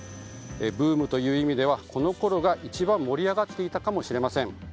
ブームという意味ではこのころが一番盛り上がっていたかもしれません。